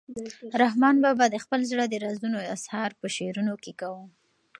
رحمان بابا د خپل زړه د رازونو اظهار په شعرونو کې کاوه.